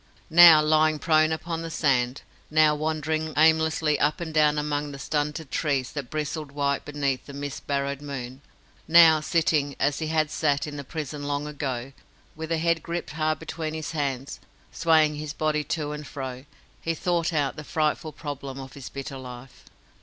Now, lying prone upon the sand; now, wandering aimlessly up and down among the stunted trees that bristled white beneath the mist barred moon; now, sitting as he had sat in the prison long ago with the head gripped hard between his hands, swaying his body to and fro, he thought out the frightful problem of his bitter life.